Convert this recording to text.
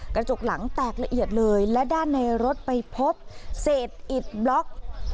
กระจกหลังแตกละเอียดเลยและด้านในรถไปพบเศษอิดบล็อก